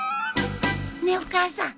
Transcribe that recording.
ねえお母さん。